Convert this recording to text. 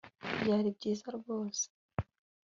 Byari byiza rwose